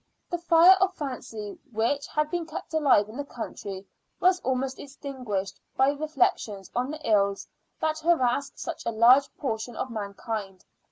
The fire of fancy, which had been kept alive in the country, was almost extinguished by reflections on the ills that harass such a large portion of mankind.